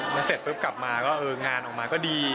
มันเสร็จปุ๊บกลับมาก็งานออกมาก็ดี